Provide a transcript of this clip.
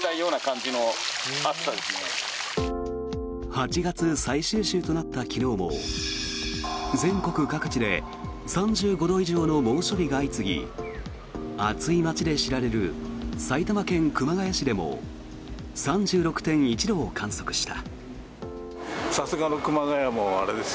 ８月最終週となった昨日も全国各地で３５度以上の猛暑日が相次ぎ暑い街で知られる埼玉県熊谷市でも３６．１度を観測した。